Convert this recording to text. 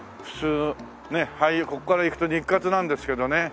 ここから行くと日活なんですけどね。